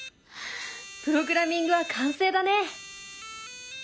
プログラミングは完成だね！